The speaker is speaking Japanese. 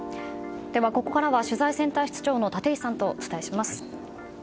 ここからは取材センター室長の立石さんとお伝えします。